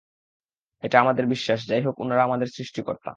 এটা আমাদের বিশ্বাস, যাই হোক উনারা আমাদের সৃষ্টিকর্তা।